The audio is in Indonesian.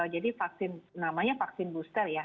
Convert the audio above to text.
jadi namanya vaksin booster ya